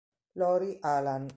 Lori Alan